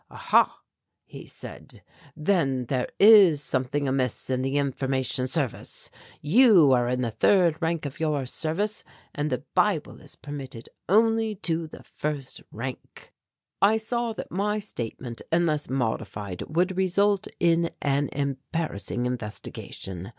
'Ah, ha,' he said, 'then there is something amiss in the Information Service you are in the third rank of your service and the Bible is permitted only to the first rank.' "I saw that my statement unless modified would result in an embarrassing investigation.